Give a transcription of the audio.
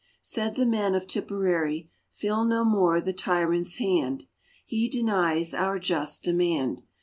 Said the men of Tipperary :" Fill no more the tyrant's hand, He denies our just demand.